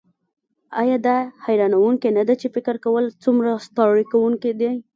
ایا دا حیرانوونکې نده چې فکر کول څومره ستړي کونکی دي